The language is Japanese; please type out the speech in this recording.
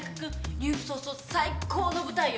入部早々最高の舞台よ。